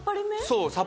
そう。